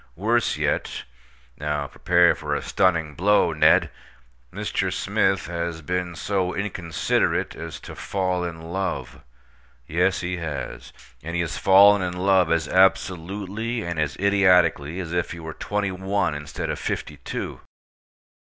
Worse yet (now prepare for a stunning blow, Ned!), Mr. Smith has been so inconsiderate as to fall in love. Yes, he has. And he has fallen in love as absolutely and as idiotically as if he were twenty one instead of fifty two.